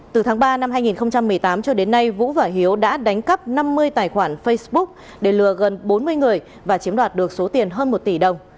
từ tháng ba năm hai nghìn một mươi tám cho đến nay vũ và hiếu đã đánh cắp năm mươi tài khoản facebook để lừa gần bốn mươi người và chiếm đoạt được số tiền hơn một tỷ đồng